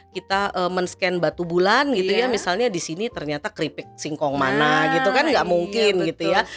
kita men scan batu bulan gitu ya misalnya di sini ternyata keripik singkong mana gitu kan nggak mungkin gitu ya